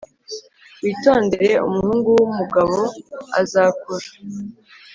witondere umuhungu, umugabo azakura